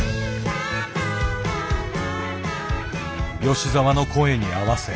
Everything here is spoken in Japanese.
吉澤の声に合わせ歌う。